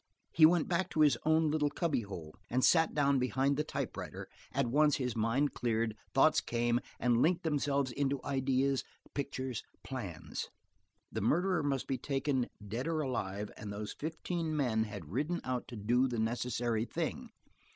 He went back to his own little cubby hole, and sat down behind the typewriter; at once his mind cleared, thoughts came, and linked themselves into ideas, pictures, plans. The murderer must be taken, dead or alive, and those fifteen men had ridden out to do the necessary thing.